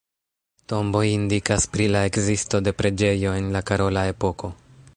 Tomboj indikas pri la ekzisto de preĝejo en la karola epoko.